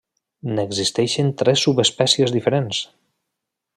N'existeixen tres subespècies diferents.